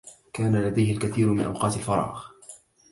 كان لديه الكثير من أوقات الفراغ.